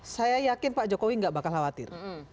saya yakin pak jokowi nggak bakal khawatir